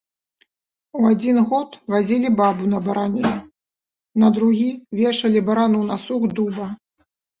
У адзін год вазілі бабу на баране, на другі вешалі барану на сук дуба.